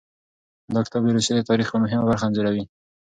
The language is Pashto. دا کتاب د روسیې د تاریخ یوه مهمه برخه انځوروي.